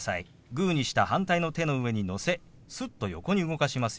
グーにした反対の手の上にのせすっと横に動かしますよ。